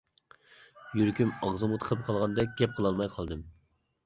يۈرىكىم ئاغزىمغا تىقىلىپ قالغاندەك گەپ قىلالماي قالدىم.